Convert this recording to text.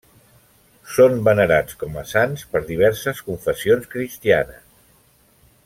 Són venerats com a sants per diverses confessions cristianes.